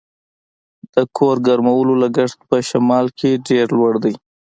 د کور ګرمولو لګښت په شمال کې ډیر لوړ دی